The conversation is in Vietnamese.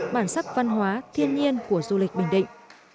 bản sắc văn hóa thiên nhiên của du lịch bình định